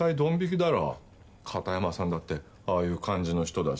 片山さんだってああいう感じの人だし。